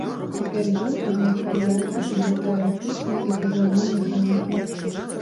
Цяпер ён узначальвае кафедру тэарэтычнай і прыкладной механікі.